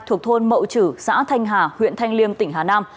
thuộc thôn mậu chử xã thanh hà huyện thanh liêm tỉnh hà nam